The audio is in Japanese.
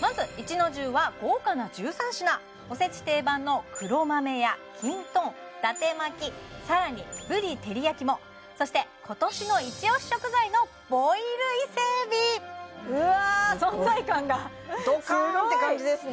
まず壱之重は豪華な１３品おせち定番の黒豆やきんとん伊達巻さらにぶり照焼きもそして今年のイチオシ食材のうわ存在感がすごいドカーンって感じですね